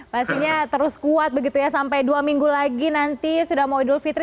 pastinya terus kuat begitu ya sampai dua minggu lagi nanti sudah mau idul fitri